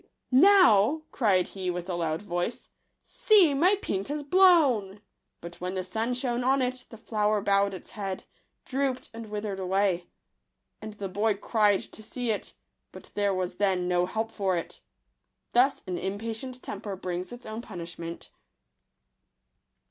" Now," cried he with a loud voice, " see, my pink has blown !" But when the sun shone on it, the flower bowed its head, drooped, and withered away. And the boy cried to see it ; but there was then no help for it. Thus an impatient temper brings its own punishment.